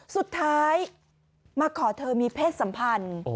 สุดท้ายมาขอเธอมีเพศสัมพันธ์